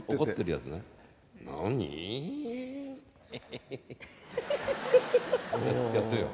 やってよ。